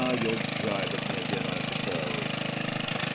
youll gibe at me again, I suppose